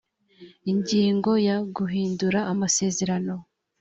ingingo ya guhindura amasezerano